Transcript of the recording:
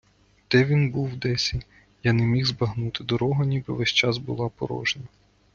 Де він був десі, я не міг збагнути: дорога ніби весь час була порожня.